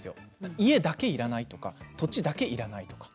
家だけいらないとか土地だけいらないとか。